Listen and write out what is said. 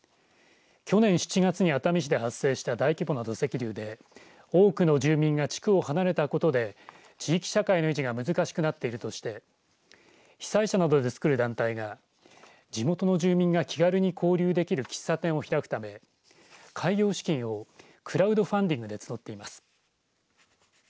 去年７月に熱海市で発生した大規模な土石流で多くの住民が地区を離れたことで地域社会の維持が難しくなっているとして被災者などで作る団体が地元の住民が気軽に交流できる喫茶店を開くため開業資金をクラウドファンディングで募っています。